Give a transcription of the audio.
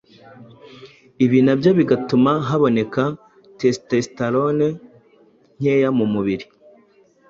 ibi na byo bigatuma haboneka testosterone nkeya mu mubiri